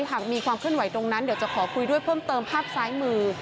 หากมีความเคลื่อนไหวตรงนั้นเดี๋ยวจะขอคุยด้วยเพิ่มเติมภาพซ้ายมือ